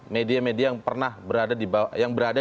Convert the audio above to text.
media media yang pernah berada